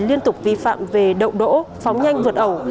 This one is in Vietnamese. liên tục vi phạm về đậu đỗ phóng nhanh vượt ẩu